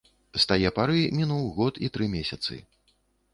З тае пары мінуў год і тры месяцы.